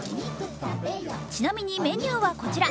ちなみにメニューはこちら。